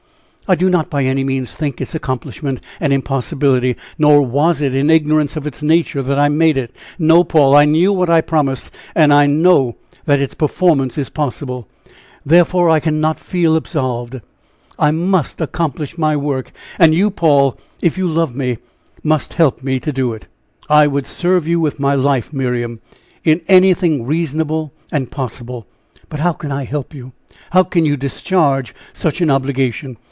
I do not by any means think its accomplishment an impossibility, nor was it in ignorance of its nature that I made it. No, Paul! I knew what I promised, and I know that its performance is possible. Therefore I can not feel absolved! I must accomplish my work; and you, Paul, if you love me, must help me to do it." "I would serve you with my life, Miriam, in anything reasonable and possible. But how can I help you? How can you discharge such an obligation?